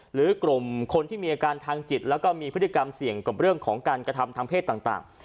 หรือกลุ่มคนที่มีอาการทางจิตแล้วก็มีพฤติกรรมเสี่ยงกับเรื่องของการกระทำทางเพศต่าง